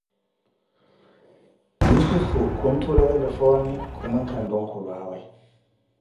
Yussufu kuntula telefone khumwinka ntuunkulwaawe.